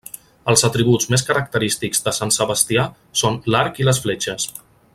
Els atributs més característics de Sant Sebastià són l'arc i les fletxes.